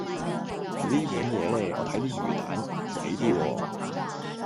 你呢碗嘢呢，我睇啲魚蛋曳啲喎